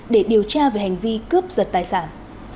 để điều tra về hành vi cướp giật tài sản